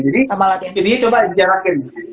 jadi intinya coba jarakin